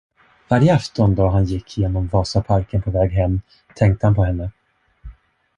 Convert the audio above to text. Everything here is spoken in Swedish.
Varje afton, då han gick genom Vasaparken på väg hem, tänkte han på henne.